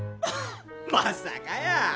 まさかやー。